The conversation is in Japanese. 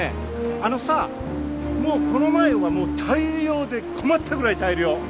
あのさもうこの前はもう大漁で困ったぐらい大漁もう。